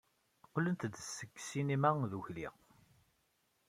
Qqlent-d seg ssinima ddukkli.